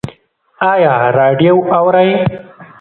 ایا راډیو اورئ؟